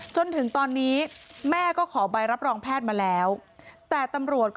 จนถึงตอนนี้แม่ก็ขอใบรับรองแพทย์มาแล้วแต่ตำรวจก็